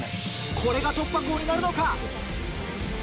これが突破口になるのか？